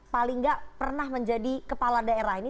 paling nggak pernah menjadi kepala daerah ini